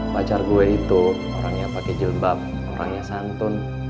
pacar gue itu orangnya pakai jilbab orangnya santun